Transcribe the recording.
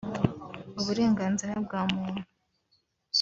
Uburenganzira bwa muntu